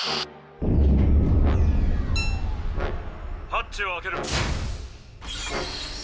ハッチを開ける。